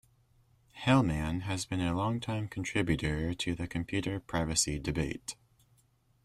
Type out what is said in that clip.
Hellman has been a longtime contributor to the computer privacy debate.